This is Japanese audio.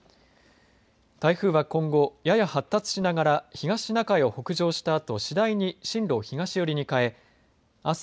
台風は、今後やや発達しながら東シナ海を北上したあと次第に進路を東よりに変えあす